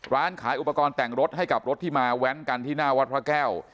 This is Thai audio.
ร้านขายอุปกรณ์แต่งรถให้กับรถที่มาแว้นกันที่หน้าวัดพระแก้ว